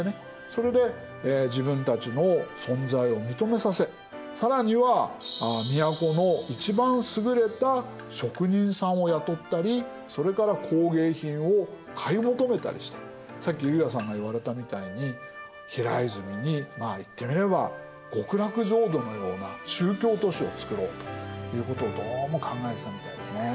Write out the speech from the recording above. それで自分たちの存在を認めさせ更には都の一番すぐれた職人さんを雇ったりそれから工芸品を買い求めたりしてさっき悠也さんが言われたみたいに平泉にまあ言ってみれば極楽浄土のような宗教都市を造ろうということをどうも考えてたみたいですね。